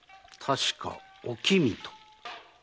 確か「おきみ」と。